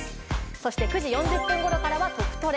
そして９時４０分頃からはトクトレ。